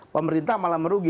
pemerintah malah merugi